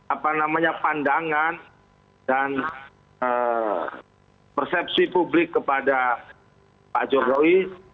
apa namanya pandangan dan persepsi publik kepada pak jokowi